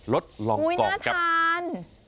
รสลองกองครับอุ๊ยน่าทาน